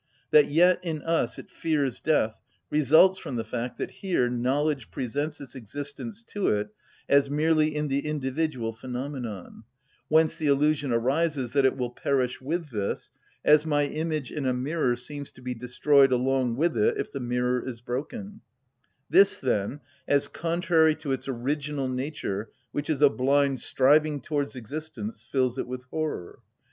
That yet in us it fears death results from the fact that here knowledge presents its existence to it as merely in the individual phenomenon, whence the illusion arises that it will perish with this, as my image in a mirror seems to be destroyed along with it if the mirror is broken; this then, as contrary to its original nature, which is a blind striving towards existence, fills it with horror.